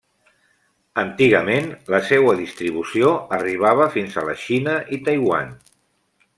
Antigament, la seua distribució arribava fins a la Xina i Taiwan.